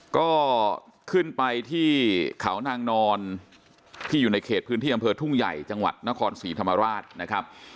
ก็ขึ้นไปที่เขานางนอนที่อยู่ในเขตพื้นที่อำเภอทุ่งใหญ่จังหวัดนครศรีธรรมราชนะครับ